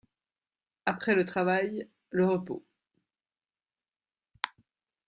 Après le travail le repos.